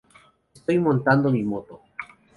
Estoy montando mi moto.